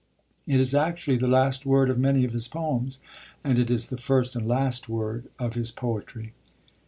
It is actually the last word of many of his poems, and it is the first and last word of his poetry.